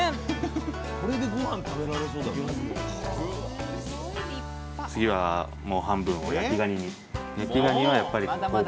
これでごはん食べられそうだ。